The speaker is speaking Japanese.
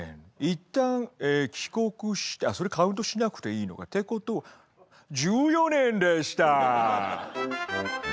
いったん帰国してあっそれカウントしなくていいのか。ってことは１４年でした！